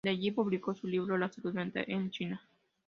De allí publicó su libro, "La salud mental en China".